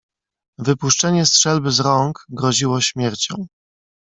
"Wypuszczenie strzelby z rąk groziło śmiercią."